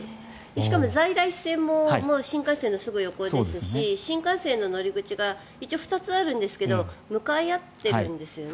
しかも在来線も新幹線のすぐ横ですし新幹線の乗り口が２つあるんですが向かい合ってるんですよね。